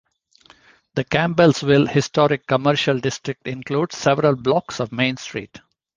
The Campbellsville Historic Commercial District includes several blocks of Main Street.